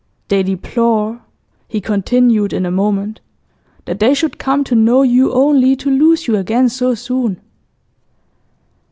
'They deplore,' he continued in a moment, 'that they should come to know you only to lose you again so soon.